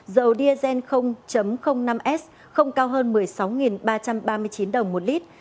dầu diesel năm s không cao hơn một mươi sáu ba trăm ba mươi chín đồng một lít